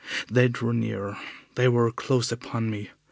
They drew nearer. They were close upon me.